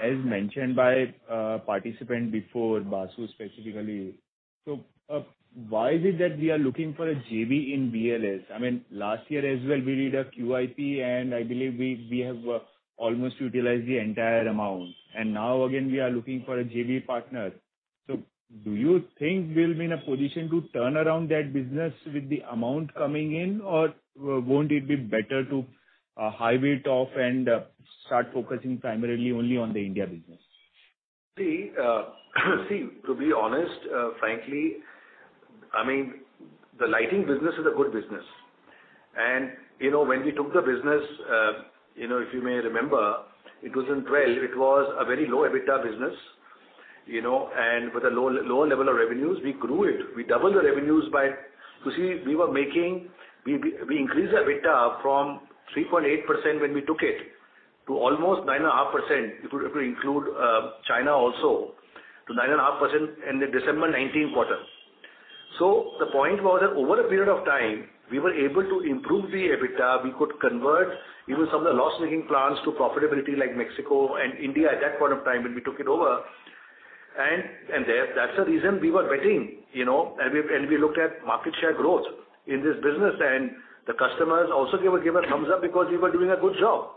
As mentioned by a participant before, Basu specifically, why is it that we are looking for a JV in VLS? I mean, last year as well, we did a QIP, and I believe we have almost utilized the entire amount. Now again, we are looking for a JV partner. Do you think we'll be in a position to turn around that business with the amount coming in, or won't it be better to hive it off and start focusing primarily only on the India business? See, to be honest, frankly, I mean, the lighting business is a good business. You know, when we took the business, you know, if you may remember, it was in 2012, it was a very low EBITDA business, you know. With a lower level of revenues, we grew it. We doubled the revenues. You see, we increased the EBITDA from 3.8% when we took it to almost 9.5%, if we include China also, to 9.5% in the December 2019 quarter. The point was that over a period of time, we were able to improve the EBITDA. We could convert even some of the loss-making plants to profitability like Mexico and India at that point of time when we took it over. That's the reason we were betting, you know, we looked at market share growth in this business. The customers also give a thumbs up because we were doing a good job,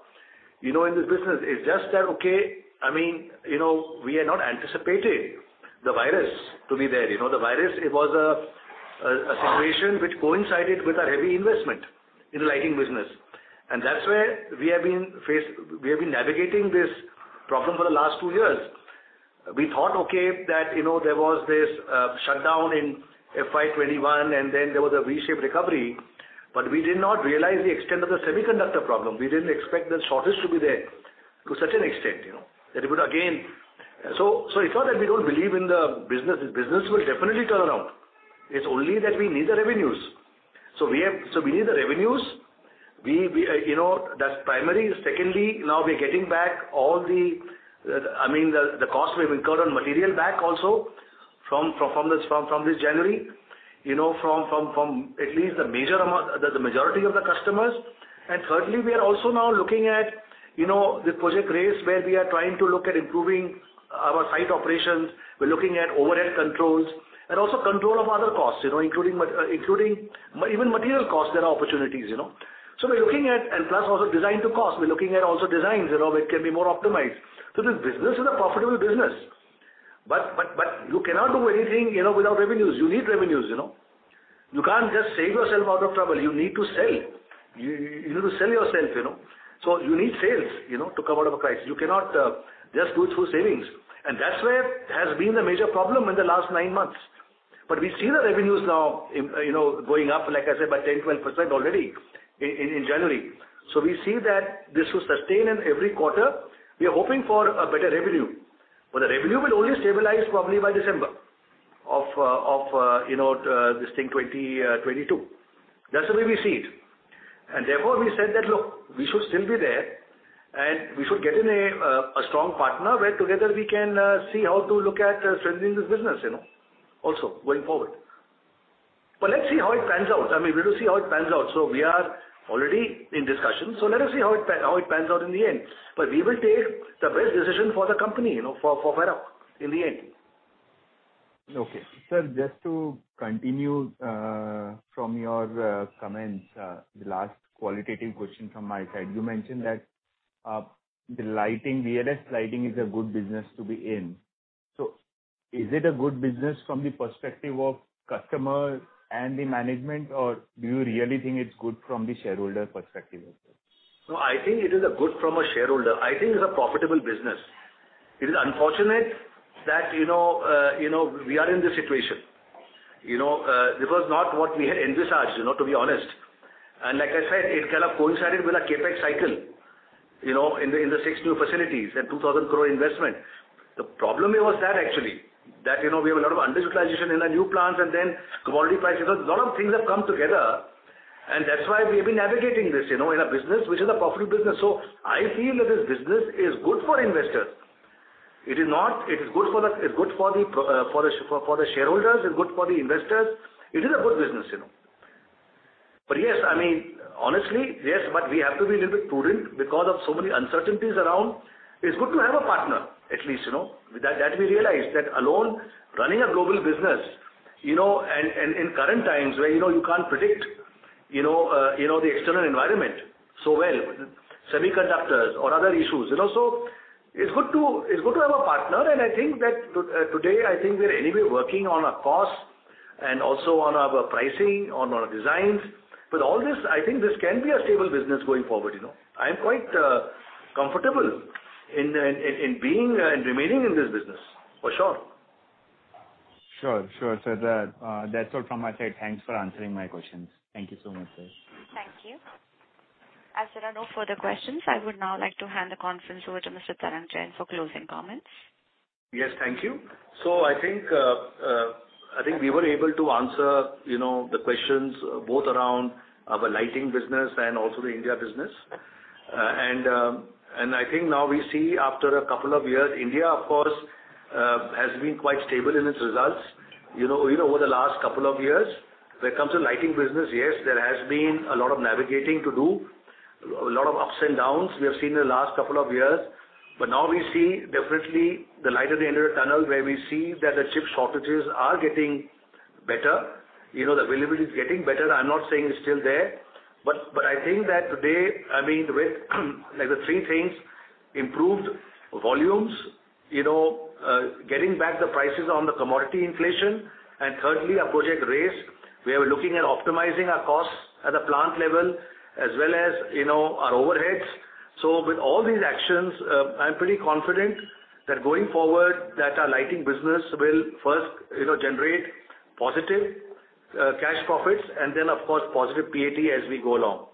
you know, in this business. It's just that, okay, I mean, you know, we had not anticipated the virus to be there. You know, the virus, it was a situation which coincided with our heavy investment in the lighting business. That's where we have been navigating this problem for the last two years. We thought, okay, that, you know, there was this shutdown in FY 2021, and then there was a V-shaped recovery. We did not realize the extent of the semiconductor problem. We didn't expect the shortage to be there to such an extent, you know, that it would again. It's not that we don't believe in the business. This business will definitely turn around. It's only that we need the revenues. We need the revenues. You know, that's primary. Secondly, now we're getting back all the, I mean, the cost we've incurred on material back also from this January. You know, from at least the majority of the customers. Thirdly, we are also now looking at, you know, the Project Race, where we are trying to look at improving our site operations. We're looking at overhead controls and also control of other costs, you know, including even material costs, there are opportunities, you know. We're looking at plus also design to cost. We're looking at also designs, you know, which can be more optimized. This business is a profitable business. You cannot do anything, you know, without revenues. You need revenues, you know. You can't just save yourself out of trouble. You need to sell. You need to sell yourself, you know. You need sales, you know, to come out of a crisis. You cannot just go through savings. That's where has been the major problem in the last nine months. We see the revenues now, you know, going up, like I said, by 10%-12% already in January. We see that this will sustain in every quarter. We are hoping for a better revenue. The revenue will only stabilize probably by December of, you know, this thing, 2022. That's the way we see it. Therefore, we said that, look, we should still be there, and we should get in a strong partner, where together we can see how to look at strengthening this business, you know, also going forward. Let's see how it pans out. I mean, we will see how it pans out. We are already in discussions. Let us see how it pans out in the end. We will take the best decision for the company, you know, for Varroc in the end. Okay. Sir, just to continue from your comments, the last qualitative question from my side. You mentioned that the lighting, VLS lighting is a good business to be in. Is it a good business from the perspective of customer and the management, or do you really think it's good from the shareholder perspective as well? No, I think it is a good for a shareholder. I think it's a profitable business. It is unfortunate that, you know, we are in this situation. You know, this was not what we had envisaged, you know, to be honest. Like I said, it coincided with a CapEx cycle, you know, in the six new facilities and 2,000 crore investment. The problem here was that actually, you know, we have a lot of underutilization in our new plants and then commodity prices. A lot of things have come together, and that's why we've been navigating this, you know, in a business which is a profitable business. So I feel that this business is good for investors. It is not It is good for the shareholders, it's good for the investors. It is a good business, you know. Yes, I mean, honestly, yes, but we have to be a little bit prudent because of so many uncertainties around. It's good to have a partner, at least, you know. That we realized that alone, running a global business, you know, and in current times where, you know, you can't predict, you know, the external environment so well, semiconductors or other issues. You know, so it's good to have a partner, and I think that today, I think we're anyway working on our costs and also on our pricing, on our designs. With all this, I think this can be a stable business going forward, you know. I am quite comfortable in remaining in this business, for sure. Sure. That's all from my side. Thanks for answering my questions. Thank you so much, sir. Thank you. As there are no further questions, I would now like to hand the conference over to Mr. Tarang Jain for closing comments. Yes, thank you. I think we were able to answer, you know, the questions both around our lighting business and also the India business. I think now we see after a couple of years, India, of course, has been quite stable in its results, you know, over the last couple of years. When it comes to lighting business, yes, there has been a lot of navigating to do, a lot of ups and downs we have seen in the last couple of years. Now we see definitely the light at the end of the tunnel, where we see that the chip shortages are getting better. You know, the availability is getting better. I'm not saying it's still there. I think that today, I mean, with, like the three things, improved volumes, you know, getting back the prices on the commodity inflation, and thirdly, our Project Race. We are looking at optimizing our costs at a plant level as well as, you know, our overheads. With all these actions, I'm pretty confident that going forward, that our lighting business will first, you know, generate positive cash profits, and then, of course, positive PAT as we go along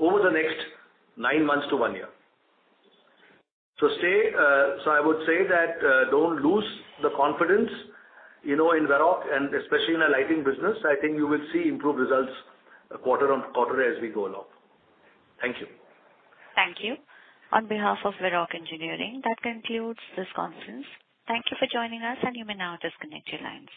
over the next nine months to one year. I would say, don't lose the confidence, you know, in Varroc and especially in our lighting business. I think you will see improved results quarter-on-quarter as we go along. Thank you. Thank you. On behalf of Varroc Engineering, that concludes this conference. Thank you for joining us, and you may now disconnect your lines.